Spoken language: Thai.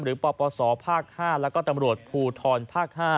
หรือปปศภ๕และก็ตำรวจภูทรภ๕